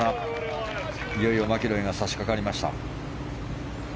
いよいよマキロイがそこに差し掛かりました。